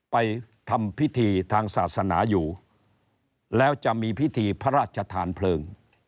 ไปทำพิธีทางศาสนาอยู่แล้วจะมีพิธีพระราชทานเพลิง